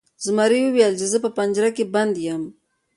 زمري وویل چې زه په پنجره کې بند یم.